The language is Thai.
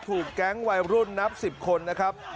ถูกแก๊งวัยรุ่นนับ๑๐คนนะครับ